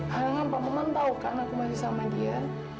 harangan pak maman tau kan aku masih sama dia